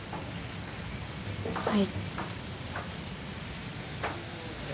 はい。